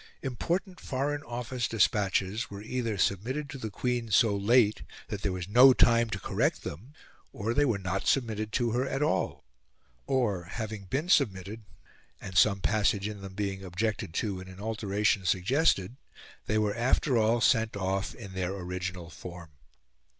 Important Foreign Office despatches were either submitted to the Queen so late that there was no time to correct them, or they were not submitted to her at all; or, having been submitted, and some passage in them being objected to and an alteration suggested, they were after all sent off in their original form.